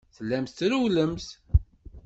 Tellamt trewwlemt.